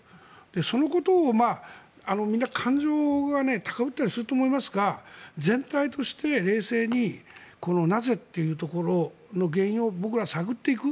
そのことを、みんな感情が高ぶったりすると思いますが全体として、冷静になぜっていうところの原因を僕らは探っていく。